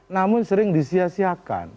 namun sering disiasiakan